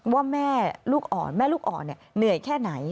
ว่าแม่ลูกอ่อนแม่ลูกอ่อนเหนื่อยแค่ไหน